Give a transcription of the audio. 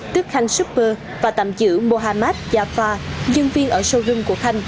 tước khanh super và tạm giữ mohamed jafar nhân viên ở sâu rung của khanh